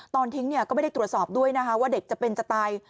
ตอนทิ้งก็ไม่ได้ตรวจสอบด้วยนะคะว่าเด็กจะเป็นจะตาย